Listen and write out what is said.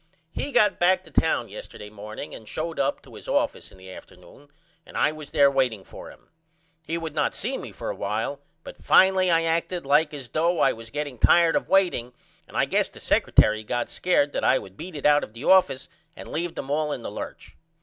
He got back to town yesterday morning and showed up to his office in the afternoon and I was there waiting for him. He would not see me for a while but finally I acted like as though I was getting tired of waiting and I guess the secretary got scared that I would beat it out of the office and leave them all in the lerch.